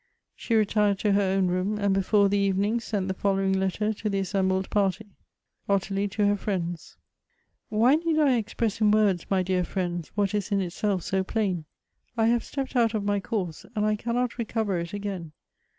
She retired to her own room, and before the evening sent the following l?tter to the assembled party : OTTILIE TO HER FEIENDS. "Why need I express in words, my dear friends, what is in itself so plain ? I have stepped out of my course, and I cannot recover it again.